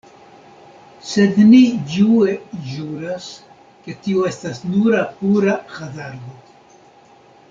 Sed ni ĝue ĵuras, ke tio estas nura pura hazardo.